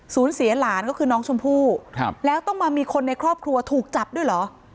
เสียหลานก็คือน้องชมพู่แล้วต้องมามีคนในครอบครัวถูกจับด้วยเหรอ